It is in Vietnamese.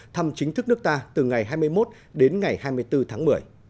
thăm chính thức nước ta từ ngày hai mươi một đến ngày hai mươi bốn tháng một mươi